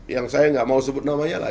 yang saya nggak mau sebut namanya lah